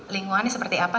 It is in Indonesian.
lingkungannya seperti apa